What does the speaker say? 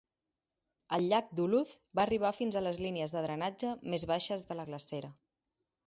El llac Duluth va arribar fins a les línies de drenatge més baixes de la glacera.